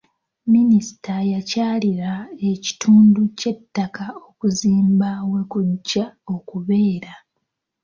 Minisita yakyalira ekitundu ky'ettaka okuzimba we kujja okubeera.